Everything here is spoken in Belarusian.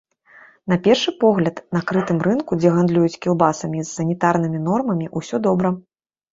На першы погляд, на крытым рынку, дзе гандлююць кілбасамі, з санітарнымі нормамі ўсё добра.